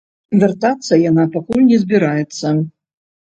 Вяртацца яна пакуль не збіраецца.